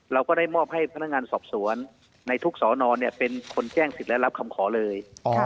เราก็ได้มอบให้พนักงานสอบสวนในทุกสอนอเป็นคนแจ้งสิทธิ์และรับคำขอเลย